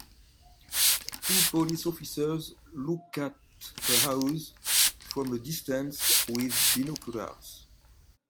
Two police officers look at a house from a distance with binoculars.